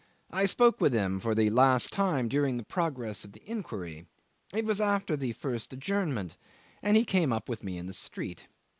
I spoke with him for the last time during the progress of the inquiry. It was after the first adjournment, and he came up with me in the street.